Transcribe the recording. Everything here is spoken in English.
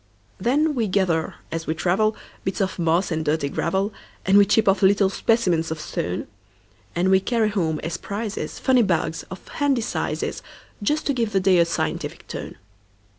Then we gather as we travel, Bits of moss and dirty gravel, And we chip off little specimens of stone; And we carry home as prizesFunny bugs, of handy sizes, Just to give the day a scientific tone.